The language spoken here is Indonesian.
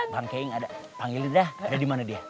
bang keing ada panggil ke maridah ada di mana dia